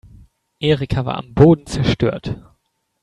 Erika war am Boden zerstört.